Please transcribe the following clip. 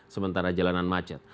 sementara jalanan macet